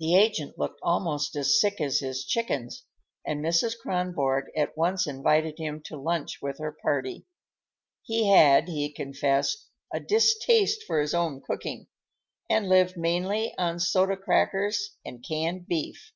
The agent looked almost as sick as his chickens, and Mrs. Kronborg at once invited him to lunch with her party. He had, he confessed, a distaste for his own cooking, and lived mainly on soda crackers and canned beef.